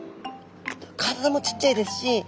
体もちっちゃいですししま